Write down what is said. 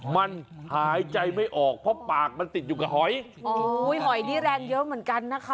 มันหายใจไม่ออกเพราะปากมันติดอยู่กับหอยโอ้โหหอยนี่แรงเยอะเหมือนกันนะคะ